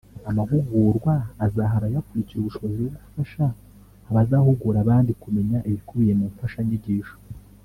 Amahugurwa azaha abazayakurikira ubushobozi bwo gufasha abazahugura abandi kumenya ibikubiye mu mfashanyigisho